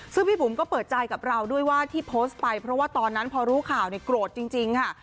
ซึ่งพี่บุ๋มก็เปิดใจกับเราด้วยว่าที่โพสต์ไปเพราะว่าตอนนั้นพอรู้ข่าวเนี่ยโกรธจริงค่ะ